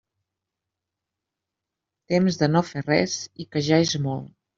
Temps de no fer res, i que ja és molt.